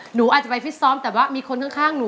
หนูอาจจะไปฟิตซ้อมแต่ว่ามีคนข้างหนู